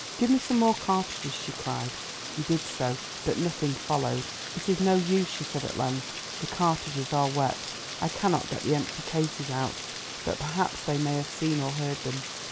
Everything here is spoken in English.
"Give me some more cartridges," she cried. He did so, but nothing followed. "It is no use," she said at length, "the cartridges are wet. I cannot get the empty cases out. But perhaps they may have seen or heard them.